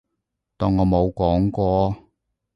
當我冇講過